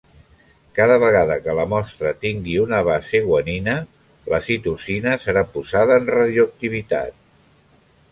Cada vegada que la mostra tingui una base Guanina, la Citosina serà posada en radioactivitat.